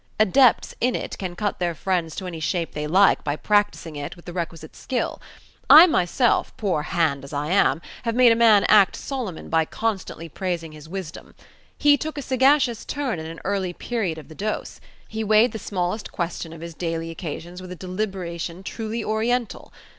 Adepts in it can cut their friends to any shape they like by practising it with the requisite skill. I myself, poor hand as I am, have made a man act Solomon by constantly praising his wisdom. He took a sagacious turn at an early period of the dose. He weighed the smallest question of his daily occasions with a deliberation truly oriental.